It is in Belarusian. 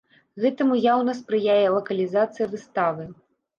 Гэтаму яўна спрыяе лакалізацыя выставы.